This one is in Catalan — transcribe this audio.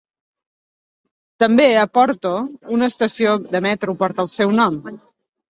També a Porto una estació de metro porta el seu nom.